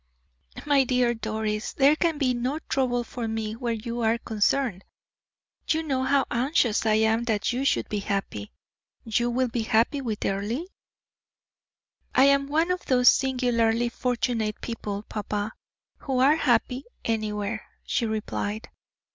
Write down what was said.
"My dear Doris, there can be no trouble for me where you are concerned; you know how anxious I am that you should be happy. You will be happy with Earle?" "I am one of those singularly fortunate people, papa, who are happy anywhere," she replied.